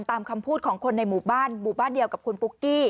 ตามคำพูดของคนในหมู่บ้านหมู่บ้านเดียวกับคุณปุ๊กกี้